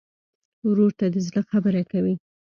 ورور ته د زړه خبره کوې.